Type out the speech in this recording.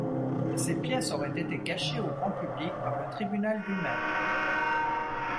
Ces pièces auraient été cachées au grand public par le tribunal lui-même.